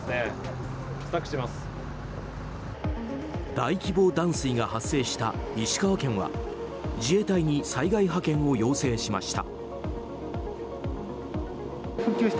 大規模断水が発生した石川県は自衛隊に災害派遣を要請しました。